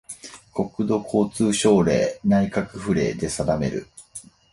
国土交通省令・内閣府令で定める